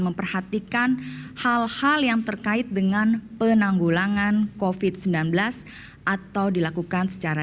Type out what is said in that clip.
memperhatikan hal hal yang terkait dengan penanggulangan covid sembilan belas atau dilakukan secara